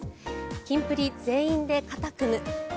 キンプリ全員で肩組む。